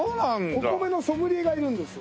お米のソムリエがいるんですよ。